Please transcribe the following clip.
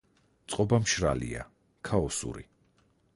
წყობა მშრალია, ქაოსური.